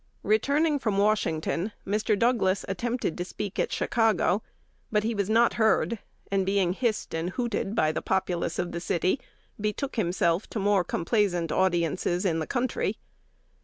Returning from Washington, Mr. Douglas attempted to speak at Chicago; but he was not heard, and, being hissed and hooted by the populace of the city, betook himself to more complaisant audiences in the country.